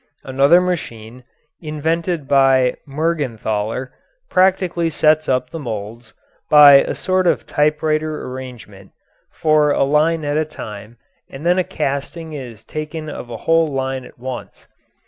Another machine, invented by Mergenthaler, practically sets up the moulds, by a sort of typewriter arrangement, for a line at a time, and then a casting is taken of a whole line at once.